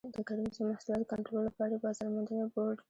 د کرنیزو محصولاتو کنټرول لپاره یې بازار موندنې بورډ کاراوه.